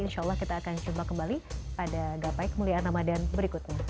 insya allah kita akan jumpa kembali pada gapai kemuliaan ramadan berikutnya